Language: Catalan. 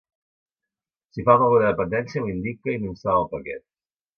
Si falta alguna dependència ho indica i no instal·la el paquet.